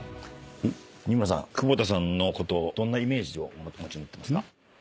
仁村さん久保田さんのことどんなイメージお持ちになってます？